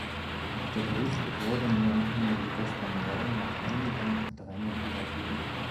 Der Brief wurde mir nun gestern morgen nach einigem Drängen übergeben.